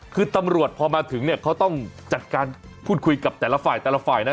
คือตำรวจพอมาถึงเนี่ยเขาต้องจัดการพูดคุยกับแต่ละฝ่ายแต่ละฝ่ายนะ